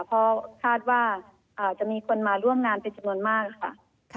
เพราะคาดว่าจะมีคนมาร่วมงานเป็นจำนวนมากค่ะ